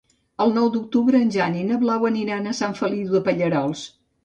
El nou d'octubre en Jan i na Blau aniran a Sant Feliu de Pallerols.